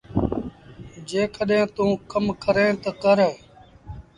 جيڪڏهيݩ توݩ ڪم ڪريݩ تا ڪر۔